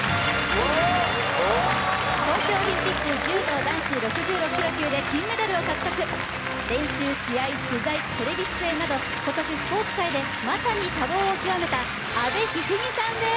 おっ東京オリンピック柔道男子６６ｋｇ級で金メダルを獲得練習試合取材テレビ出演など今年スポーツ界でまさに多忙を極めた阿部一二三さんです